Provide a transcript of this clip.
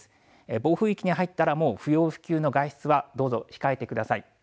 暴風域に入ったらもう不要不急の外出はどうぞ控えてください。